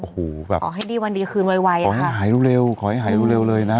ขอให้ดีวันดีคืนไวนะครับขอให้หายเร็วเร็วขอให้หายเร็วเร็วเลยนะ